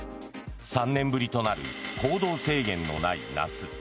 ３年ぶりとなる行動制限のない夏。